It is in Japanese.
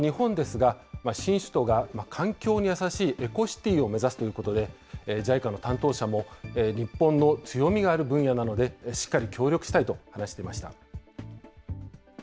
一方の日本ですが、新首都が環境に優しいエコシティーを目指すということで、ＪＩＣＡの担当者も日本の強みがある分野なので、しっかり協力したいと話していました。